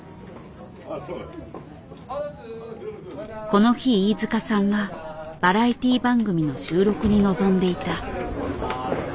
この日飯塚さんはバラエティー番組の収録に臨んでいた。